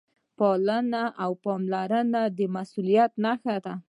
پالنه او پاملرنه د مسؤلیت نښه ده.